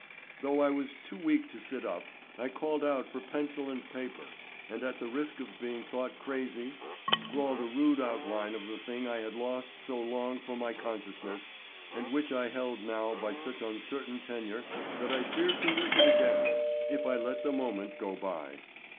Though I was too weak to sit up, I called out for pencil and paper, and at the risk of being thought crazy, scrawled a rude outline of the thing I had lost so long from my consciousness and which I held now by such uncertain tenure that I feared to lose it again, if I let the moment go by.